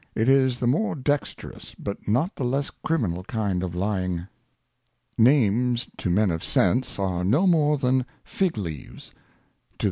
It is the more dexterous, but not the less criminal kind of Lying. NAMES to Men of Sense are no more than Fig leaves; to the Names.